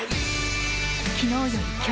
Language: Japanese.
昨日より今日。